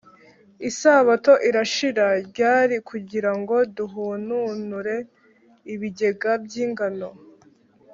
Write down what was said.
isabato irashira ryari kugira ngo duhununure ibigega by’ingano,